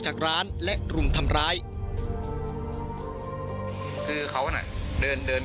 ช่วยเร่งจับตัวคนร้ายให้ได้โดยเร่ง